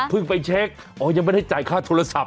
ไปเช็คอ๋อยังไม่ได้จ่ายค่าโทรศัพ